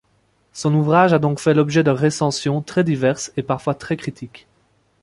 Son ouvrage a donc fait l'objet de recensions très diverses et parfois très critiques.